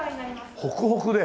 あっホクホクで。